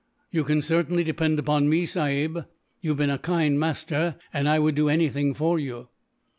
"You can certainly depend upon me, sahib. You have been a kind master, and I would do anything for you."